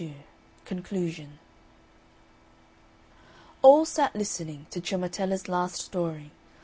XXXII CONCLUSION All sat listening to Ciommetella's last story.